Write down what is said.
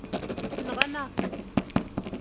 Tenɣam-aɣ-ten.